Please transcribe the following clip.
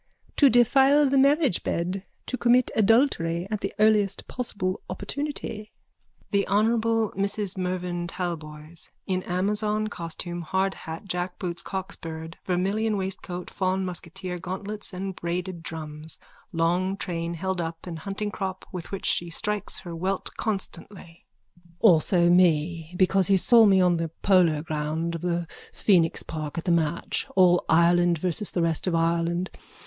to defile the marriage bed, to commit adultery at the earliest possible opportunity. THE HONOURABLE MRS MERVYN TALBOYS: _(In amazon costume, hard hat, jackboots cockspurred, vermilion waistcoat, fawn musketeer gauntlets with braided drums, long train held up and hunting crop with which she strikes her welt constantly.)_ Also me. Because he saw me on the polo ground of the Phoenix park at the match All Ireland versus the Rest of Ireland.